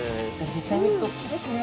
実際見ると大きいですね。